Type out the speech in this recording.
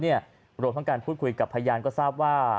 รวมทั้งการพูดคุยกับพยานก็ทราบว่า